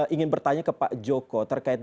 ingin bertanya ke pak joko terkait